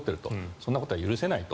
そんなことは許さないと。